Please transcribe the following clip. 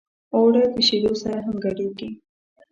اوړه د شیدو سره هم ګډېږي